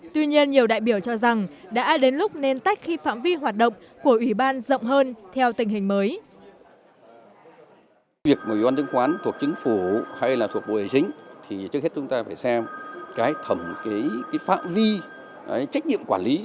tuy nhiên nhiều đại biểu cho rằng đã đến lúc nên tách khi phạm vi hoạt động của ủy ban rộng hơn theo tình hình mới